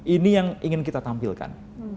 ini yang ingin kita tampilkan